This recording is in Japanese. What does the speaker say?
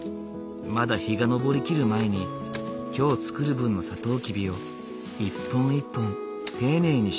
まだ日が昇りきる前に今日作る分のサトウキビを一本一本丁寧に収穫する。